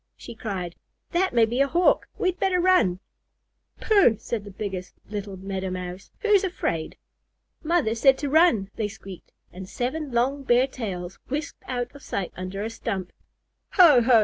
she cried. "That may be a Hawk. We'd better run." "Pooh!" said the biggest little Meadow Mouse. "Who's afraid?" "Mother said to run," they squeaked, and seven long bare tails whisked out of sight under a stump. "Ho ho!"